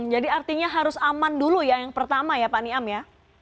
jadi artinya harus aman dulu ya yang pertama ya pak niam ya